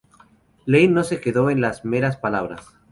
Lane no se quedó en las meras palabras.